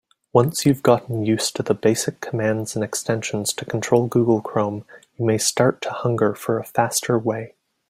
Once you've gotten used to the basic commands and extensions to control Google Chrome, you may start to hunger for a faster way.